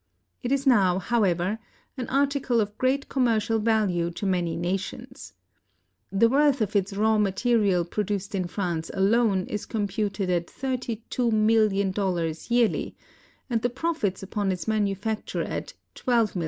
It is now, however, an article of great commercial value to many nations. The worth of its raw material produced in France alone is computed at $32,000,000 yearly, and the profits upon its manufacture at $12,000,000.